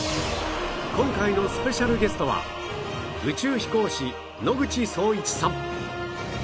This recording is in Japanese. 今回のスペシャルゲストは宇宙飛行士野口聡一さん